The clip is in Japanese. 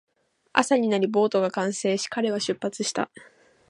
朝になり、ボートが完成し、彼は出発した